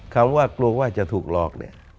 คำว่ากลัวว่าจะถูกลอก